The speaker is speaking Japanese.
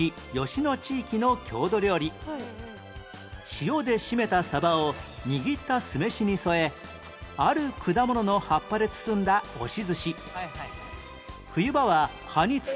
塩でしめたサバを握った酢飯に添えある果物の葉っぱで包んだ押し寿司